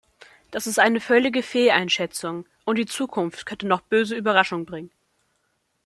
Das ist eine völlige Fehleinschätzung, und die Zukunft könnte noch böse Überraschungen bringen.